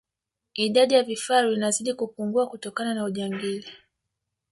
idadi ya vifaru inazidi kupungua kutokana na ujangili